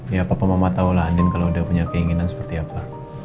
ya papa mama tahu lah andin kalau udah punya keinginan seperti apa